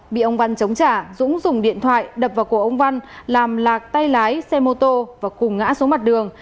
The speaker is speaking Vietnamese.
bị ông văn chống trả dũng dùng điện thoại đập vào cổ ông văn làm lạc tay lái xe mô tô và cùng ngã xuống mặt đường